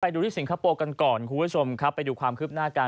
ดูที่สิงคโปร์กันก่อนคุณผู้ชมครับไปดูความคืบหน้าการ